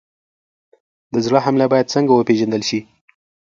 د زړه حمله باید څنګه وپېژندل شي؟